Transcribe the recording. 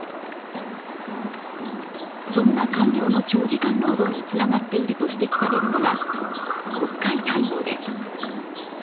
そんな官僚の長時間労働につながっていると指摘されるのが国会対応です。